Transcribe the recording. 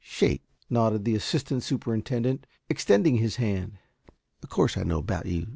"Shake," nodded the assistant superintendent, extending his hand. "Of course I know about you.